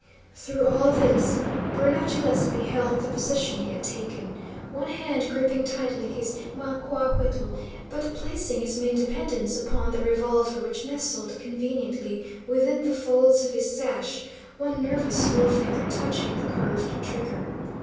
Through all this, Bruno Gillespie held the position he had taken, one hand gripping tightly his maquahuitl, but placing his main dependence upon the revolver which nestled conveniently within the folds of his sash, one nervous forefinger touching the curved trigger.